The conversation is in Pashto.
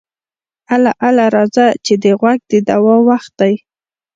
اله اله راځه چې د غوږ د دوا وخت دی.